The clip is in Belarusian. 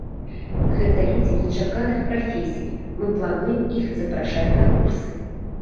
Гэта людзі нечаканых прафесій, мы плануем іх запрашаць на курсы.